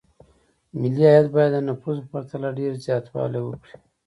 ملي عاید باید د نفوسو په پرتله ډېر زیاتوالی وکړي.